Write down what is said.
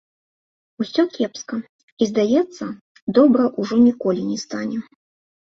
Усё кепска і, здаецца, добра ўжо ніколі не стане.